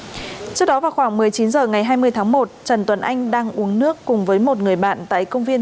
trước đó vào khoảng một mươi chín h ngày hai mươi tháng một trần tuấn anh đang uống nước cùng với một người bạn tại công viên